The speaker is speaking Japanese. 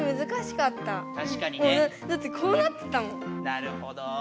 なるほど。